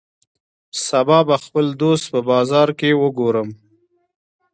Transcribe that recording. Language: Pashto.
سبا به خپل دوست په بازار کی وګورم